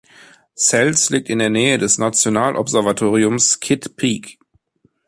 Sells liegt in der Nähe des National-Observatoriums Kitt Peak